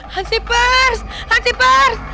hansi pers hansi pers